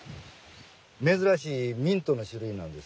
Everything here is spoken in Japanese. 珍しいミントの種類なんですわ。